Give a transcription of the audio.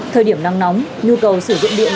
thời điểm nắng nóng nhu cầu sử dụng điện